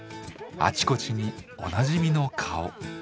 あちこちにおなじみの顔。